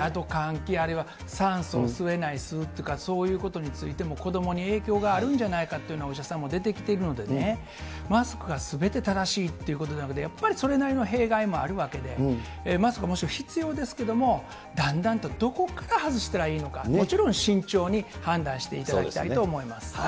あと、換気、酸素を吸えないとか、そういうことも子どもに影響があるんじゃないかと言うお医者さんも出てきているのでね、マスクがすべて正しいということではなくて、やっぱりそれなりの弊害もあるわけで、マスクはもちろん必要ですけれども、だんだんとどこから外したらいいのか、もちろん慎重に判断していただきたいと思います。